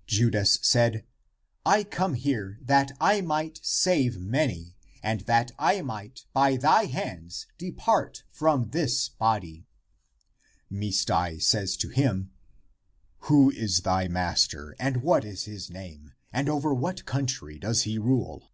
" Judas said, " I came here that I might save many, and that I might by thy hands depart from this body," 358 THE APOCRYPHAL ACTS Misdai says to him, " Who is thy master ? and what is his name? and over what country does he rule?